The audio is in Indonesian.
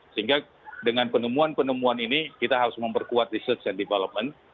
sehingga dengan penemuan penemuan ini kita harus memperkuat research and development